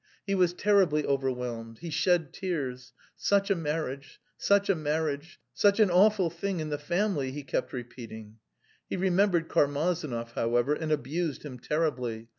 He was terribly overwhelmed; he shed tears. "Such a marriage! Such a marriage! Such an awful thing in the family!" he kept repeating. He remembered Karmazinov, however, and abused him terribly.